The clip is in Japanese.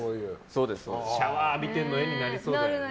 シャワー浴びてるの絵になりそうだよね。